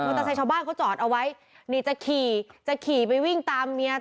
เตอร์ไซค์ชาวบ้านเขาจอดเอาไว้นี่จะขี่จะขี่ไปวิ่งตามเมีย